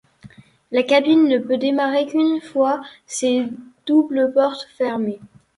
La cabine ne peut démarrer qu'une fois ces doubles portes fermées.